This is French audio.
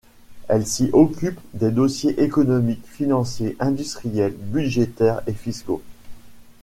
Elle s'y occupe des dossiers économiques, financiers, industriels, budgétaires et fiscaux.